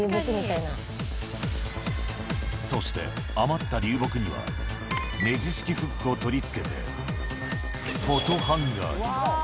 そして、余った流木には、ネジ式フックを取り付けて、フォトハンガーに。